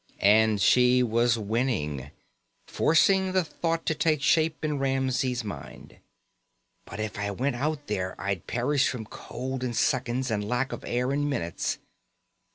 And she was winning, forcing the thought to take shape in Ramsey's mind _But if I went out there I'd perish from cold in seconds and lack of air in minutes.